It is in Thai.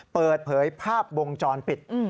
เปิดเผยภาพวงจรปิด